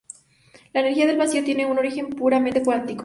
La energía del vacío tiene un origen puramente cuántico.